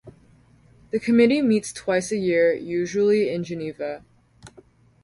The Committee meets twice a year, usually in Geneva.